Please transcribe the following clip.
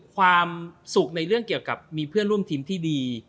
ความสุขในเรื่องเกี่ยวกับมีเพื่อนร่วมทีมที่ดี